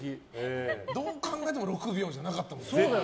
どう考えても６秒じゃなかった。